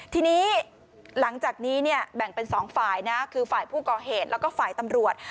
ทีนี้หลังจากนี้เนี่ยแบ่งเป็น๒ฝ่ายนะคือฝ่ายผู้ก่อเหตุแล้วก็ฝ่ายตำรวจ